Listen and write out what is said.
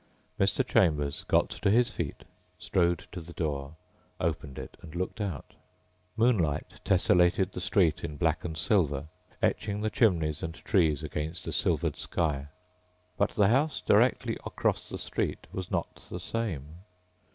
Mr. Chambers got to his feet, strode to the door, opened it and looked out. Moonlight tesselated the street in black and silver, etching the chimneys and trees against a silvered sky. But the house directly across the street was not the same.